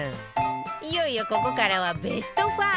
いよいよここからはベスト５